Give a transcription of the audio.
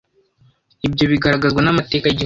Ibyo bigaragazwa n’amateka y’Igihugu